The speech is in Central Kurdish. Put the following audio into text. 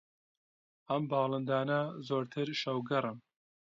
ئەم باڵندانە زۆرتر شەوگەڕن